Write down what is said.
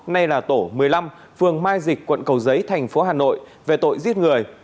nay là tổ một mươi năm phường mai dịch quận cầu giấy tp hà nội về tội giết người